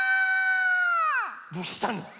どうしたの？